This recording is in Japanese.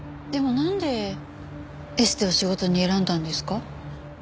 でもなんでエステを仕事に選んだんですか？